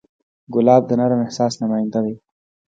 ګلاب د نرم احساس نماینده دی.